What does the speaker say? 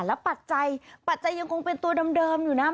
แล้วปัดใจปัดใจยังคงเป็นตัวเดิมอยู่นะ